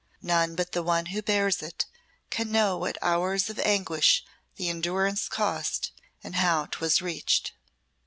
None but the one who bears it can know what hours of anguish the endurance cost and how 'twas reached.